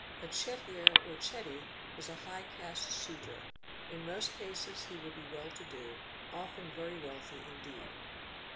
A Chettiar or Chetty is a high caste Sudra, in most cases he will be well to do, often very wealthy indeed.